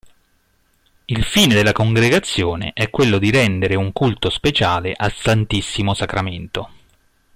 Il fine della congregazione è quello di rendere un culto speciale al Santissimo Sacramento.